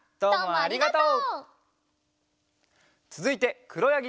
ありがとう。